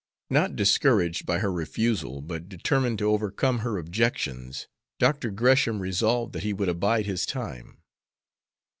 Not discouraged by her refusal, but determined to overcome her objections, Dr. Gresham resolved that he would abide his time.